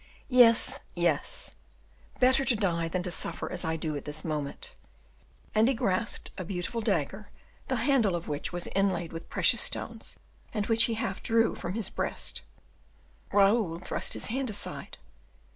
"Yes, yes; better to die, than to suffer as I do at this moment." And he grasped a beautiful dagger, the handle of which was inlaid with precious stones; and which he half drew from his breast. Raoul thrust his hand aside.